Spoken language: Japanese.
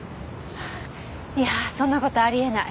いやそんな事あり得ない。